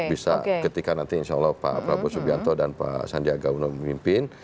bisa ketika nanti insya allah pak prabowo subianto dan pak sandiaga uno memimpin